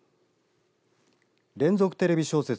連続テレビ小説